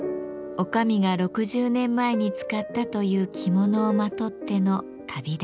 女将が６０年前に使ったという着物をまとっての旅立ちです。